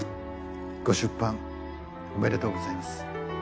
ご出版おめでとうございます。